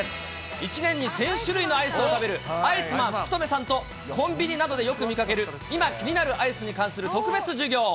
１年に１０００種類のアイスを食べるアイスマン福留さんと、コンビニなどでよく見かける今気になるアイスに関する特別授業。